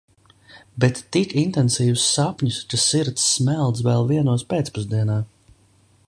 Bet tik intensīvus sapņus, ka sirds smeldz vēl vienos pēcpusdienā.